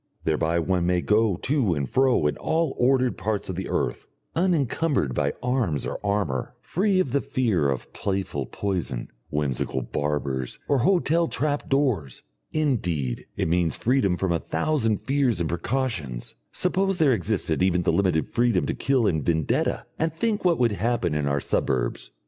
Thereby one may go to and fro in all the ordered parts of the earth, unencumbered by arms or armour, free of the fear of playful poison, whimsical barbers, or hotel trap doors. Indeed, it means freedom from a thousand fears and precautions. Suppose there existed even the limited freedom to kill in vendetta, and think what would happen in our suburbs.